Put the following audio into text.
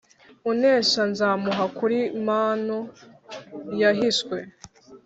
Unesha nzamuha kuri manu yahishwe,